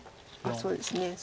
そうですね。